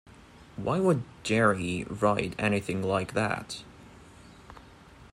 Why would Gerry write anything like that?